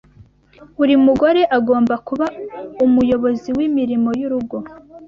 Buri mugore agomba kuba umuyobozi w’imirimo y’urugo